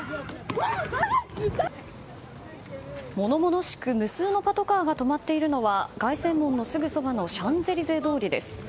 物々しく無数のパトカーが止まっているのは凱旋門のすぐそばのシャンゼリゼ通りです。